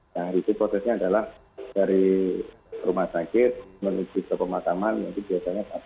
yang risik prosesnya adalah dari rumah sakit menuju ke pemakaman yang biasanya karena keterbatasan